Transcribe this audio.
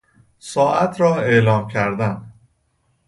ساعت را اعلام کردن